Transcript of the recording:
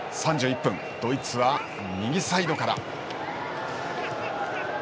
３１分、ドイツは右サイドから。